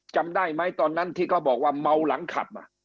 จำได้ไหมตอนนั้นที่เขาบอกว่าเมาหลังขับ